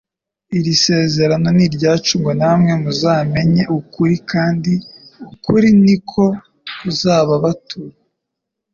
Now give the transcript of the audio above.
iri sezerano ni iryacu ngo :« Namwe muzamenya ukuri kandi ukuri niko kuzababatura ».